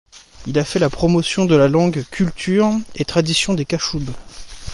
Il a fait la promotion de la langue, culture et traditions des Cachoubes.